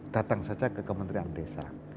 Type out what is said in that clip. datang saja ke kementerian desa